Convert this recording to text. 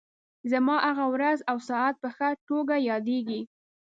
زما هغه ورځ او ساعت په ښه توګه یادېږي.